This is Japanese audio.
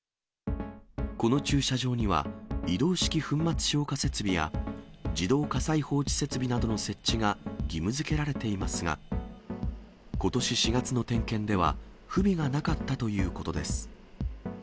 この駐車場には移動式粉末消火設備や、自動火災報知設備などの設置が義務付けられていますが、ことし４月の点検では、不備がなかったということです。